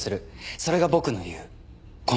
それが僕の言う「混沌」。